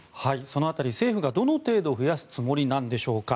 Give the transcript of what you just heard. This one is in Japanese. その辺り政府がどの程度増やすつもりなのでしょうか。